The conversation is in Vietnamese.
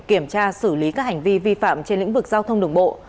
kiểm tra xử lý các hành vi vi phạm trên lĩnh vực giao thông đường bộ